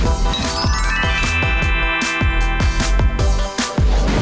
ก็มานี่นะโดดดังในกลุ่มแม่แม่ไม่รู้หรอก